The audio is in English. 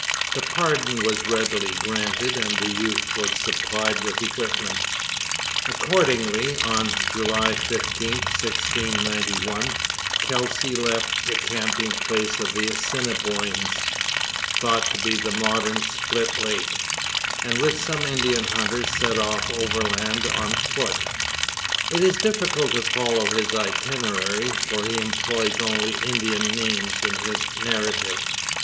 The pardon was readily granted and the youth was supplied with equipment. Accordingly, on July 15, 1691, Kelsey left the camping place of the Assiniboines thought to be the modern Split Lake and with some Indian hunters set off overland on foot. It is difficult to follow his itinerary, for he employs only Indian names in his narrative.